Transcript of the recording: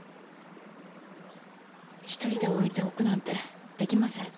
一人で置いておくなんてできません。